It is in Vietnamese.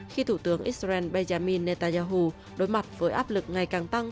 khi thủ tướng israel benjamin netanyahu đối mặt với áp lực ngày càng tăng